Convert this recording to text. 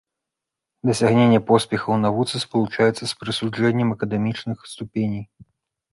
Дасягненне поспехаў у навуцы спалучаецца з прысуджэннем акадэмічных ступеней.